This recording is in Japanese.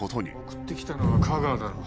送ってきたのは架川だろう。